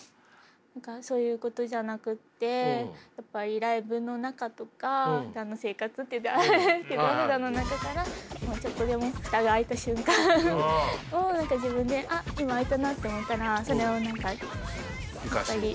何かそういうことじゃなくてやっぱりライブの中とかふだんの生活っていったらあれですけどふだんの中からもうちょっとでも蓋が開いた瞬間を何か自分であっ今開いたなって思ったらそれを何か生かしていきたいです。